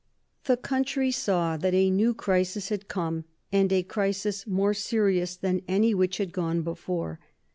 The country saw that a new crisis had come, and a crisis more serious than any which had gone before.